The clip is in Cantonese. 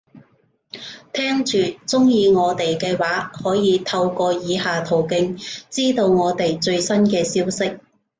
聽住，鍾意我哋嘅話，可以透過以下途徑，知道我哋最新嘅消息